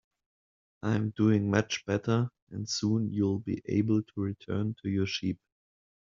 I'm doing much better, and soon you'll be able to return to your sheep.